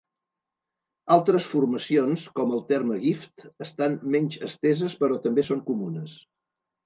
Altres formacions, com el terme "gift", estan menys esteses però també són comunes.